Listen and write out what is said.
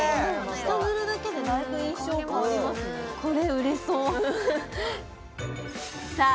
下塗るだけでだいぶ印象変わりますねさあ